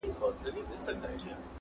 قلندر ولاړ وو خوله يې ښورېدله؛